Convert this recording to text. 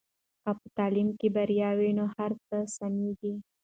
که په تعلیم کې بریا وي نو هر څه سمېږي.